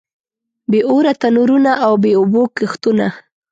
بې اوره تنورونه او بې اوبو کښتونه.